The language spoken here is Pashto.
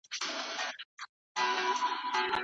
کتابونه د علم او پوهې د پراختیا اساسات دي.